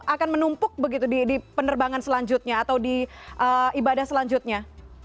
akan menumpuk begitu di penerbangan selanjutnya atau di ibadah selanjutnya